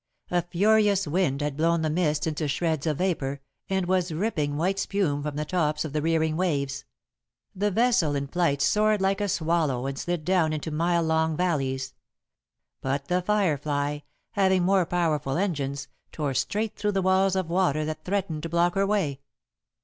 A furious wind had blown the mists into shreds of vapor, and was ripping white spume from the tops of the rearing waves. The vessel in flight soared like a swallow, and slid down into mile long valleys; but The Firefly, having more powerful engines, tore straight through the walls of water that threatened to block her way.